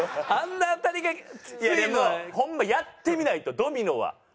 あんな当たりがきついの。ホンマやってみないとドミノは。